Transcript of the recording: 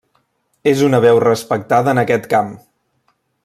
És una veu respectada en aquest camp.